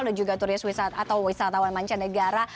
dan juga turis atau wisatawan mancanegara